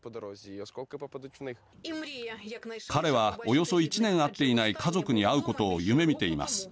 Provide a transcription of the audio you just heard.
彼はおよそ１年会っていない家族に会うことを夢見ています。